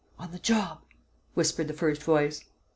"On the job," whispered the first voice.